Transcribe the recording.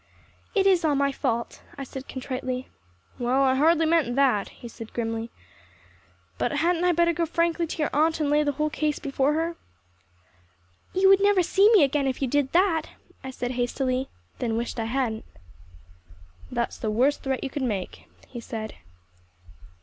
"It is all my fault," I said contritely. "Well, I hardly meant that," he said grimly. "But hadn't I better go frankly to your aunt and lay the whole case before her?" "You would never see me again if you did that," I said hastily and then wished I hadn't. "That is the worst threat you could make," he said.